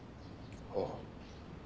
ああ。